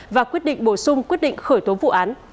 và quyết định bổ sung quyết định khởi tố vụ án